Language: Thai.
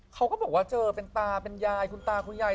เขาก็บอกว่าเจอเป็นตาเป็นยายคุณตาคุณยาย